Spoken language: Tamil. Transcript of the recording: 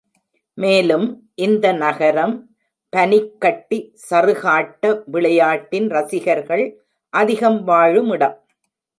மேலும், இந்த நகரம் பனிக்கட்டி சறுகாட்ட விளையாட்டின் ரசிகர்கர்கள் அதிகம் வாழுமிடம்.